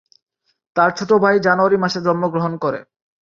তার ছোট ভাই জানুয়ারি মাসে জন্মগ্রহণ করে।